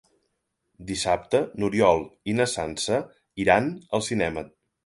Dissabte n'Oriol i na Sança iran al cinema.